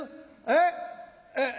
えっ？